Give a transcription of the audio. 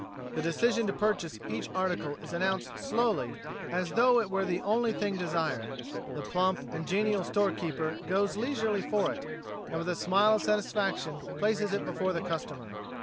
The decision to purchase each article is announced slowly and as tho it were the only thing desired. The plump and genial storekeeper goes leisurely for it, and with a smile of satisfaction places it before the customer.